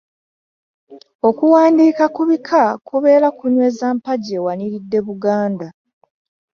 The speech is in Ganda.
Okuwandiika ku bika kubeera kunyweza mpagi ewaniridde Buganda